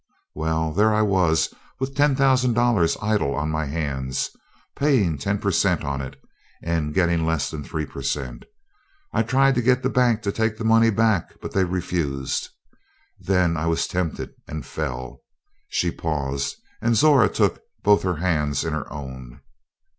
"Well, there I was with ten thousand dollars idle on my hands, paying ten per cent on it and getting less than three per cent. I tried to get the bank to take the money back, but they refused. Then I was tempted and fell." She paused, and Zora took both her hands in her own.